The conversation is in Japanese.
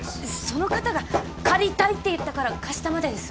その方が借りたいって言ったから貸したまでです